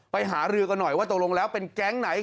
หารือกันหน่อยว่าตกลงแล้วเป็นแก๊งไหน